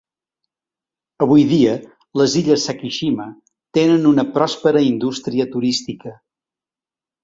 Avui dia les illes Sakishima tenen una pròspera indústria turística.